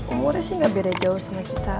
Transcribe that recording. umurnya sih gak beda jauh sama kita